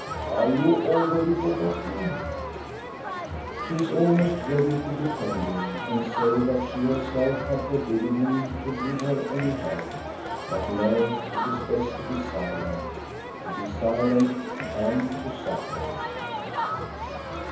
Are you already forgotten? PENITENCE 277 She is almost ready to defend him and say that she herself had forbidden him to give her any help. But no, it is best to be silent, to be silent and to suffer.